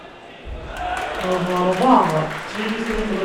Tɣeḍreḍ-aɣ.